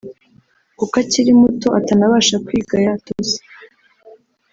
kuko akiri muto atanabasha kwiga yatose